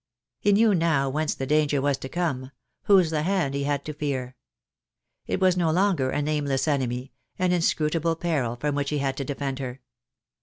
He knew now whence the danger was to come — whose the hand he had to fear. It was no longer a nameless enemy, an inscrutable peril from which he had to defend her.